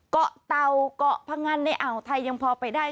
เกาะเตาเกาะพงันในอ่าวไทยยังพอไปได้